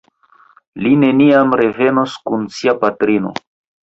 Li neniam revenos kun sia patrino.